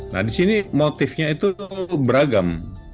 nah di sini motifnya itu beragam